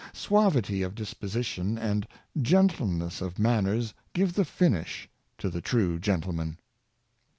Suavity of disposition and gentleness of manners give the finish to the true gentleman.